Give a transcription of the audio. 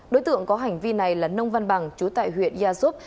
đối tượng có hành vi này là nông văn bằng chú tại huyện gia súp